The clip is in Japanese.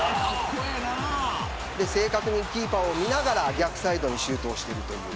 正確にキーパーを見ながら逆サイドにシュートをしている。